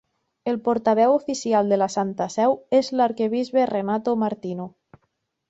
El portaveu oficial de la Santa Seu és l'arquebisbe Renato Martino.